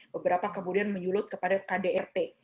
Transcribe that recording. beberapa kemudian menyulut kepada kdrt